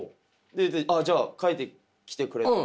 「ああじゃあ書いてきてくれ」